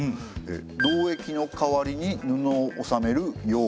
労役の代わりに布を納める庸。